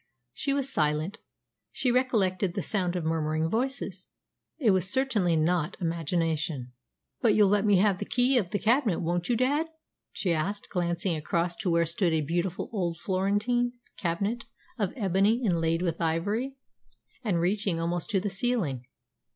She was silent. She recollected that sound of murmuring voices. It was certainly not imagination. "But you'll let me have the key of the cabinet, won't you, dad?" she asked, glancing across to where stood a beautiful old Florentine cabinet of ebony inlaid with ivory, and reaching almost to the ceiling.